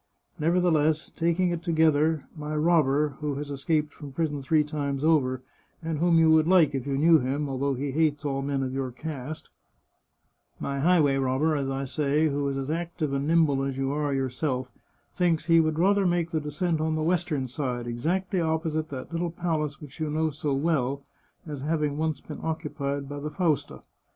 " Nevertheless, taking it altogether, my robber — who has escaped from prison three times over, and whom you 373 The Chartreuse of Parma would like if you knew him, although he hates all men of your caste — my highway robber, I say, who is as active and nimble as you are yourself, thinks he would rather make the descent on the western side, exactly opposite that little palace which you know so well as having once been occu pied by the Fausta.